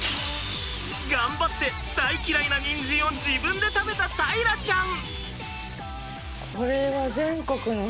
頑張って大嫌いなニンジンを自分で食べた大樂ちゃん！